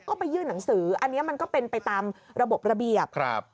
ก็ไปยื่นหนังสืออันนี้มันก็เป็นไปตามระบบระเบียบครับ